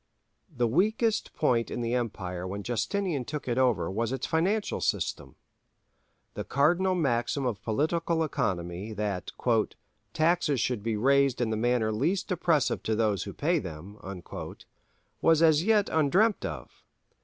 The weakest point in the empire when Justinian took it over was its financial system. The cardinal maxim of political economy, that "taxes should be raised in the manner least oppressive to those who pay them" was as yet undreamt of.